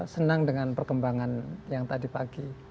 senang dengan perkembangan yang tadi pagi